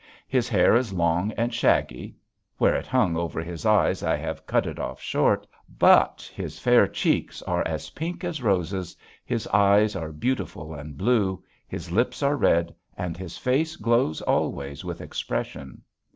His hair is long and shaggy; where it hung over his eyes I have cut it off short. But, his fair cheeks are as pink as roses, his eyes are beautiful and blue, his lips are red, and his face glows always with expression.